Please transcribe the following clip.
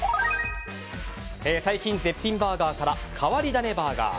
最新絶品バーガーから変わり種バーガー。